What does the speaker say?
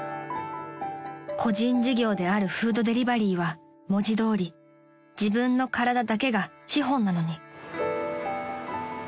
［個人事業であるフードデリバリーは文字どおり自分の体だけが資本なのに］